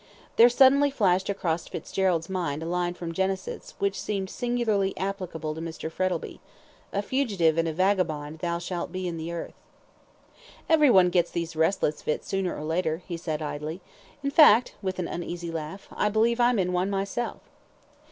There suddenly flashed across Fitzgerald's mind a line from Genesis, which seemed singularly applicable to Mr. Frettlby "A fugitive and a vagabond thou shalt be in the earth." "Everyone gets these restless fits sooner or later," he said, idly. "In fact," with an uneasy laugh, "I believe I'm in one myself."